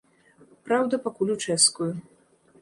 Праўда, пакуль у чэшскую.